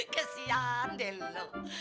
kasihan deh lu